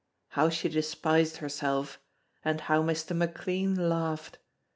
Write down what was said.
How she despised herself, and how Mr. McLean laughed!